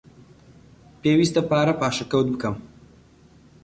پێویستە پارە پاشەکەوت بکەم.